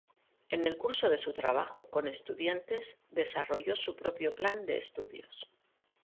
En el curso de su trabajo con estudiantes desarrolló su propio plan de estudios.